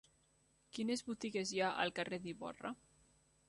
Quines botigues hi ha al carrer d'Ivorra?